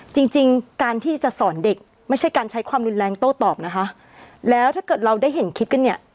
จริงจริงการที่จะสอนเด็กไม่ใช่การใช้ความรุนแรงโต้ตอบนะคะแล้วถ้าเกิดเราได้เห็นคลิปกันเนี่ย